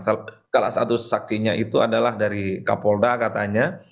salah satu saksinya itu adalah dari kapolda katanya